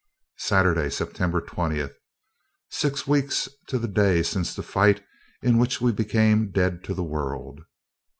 Saturday, September 20. Six weeks to day since the fight in which we became dead to the world.